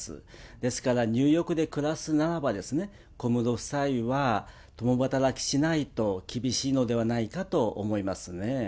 ですからニューヨークで暮らすならば、小室夫妻は共働きしないと厳しいのではないかと思いますね。